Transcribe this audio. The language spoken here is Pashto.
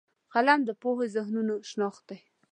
قلم د پوهو ذهنونو شناخت دی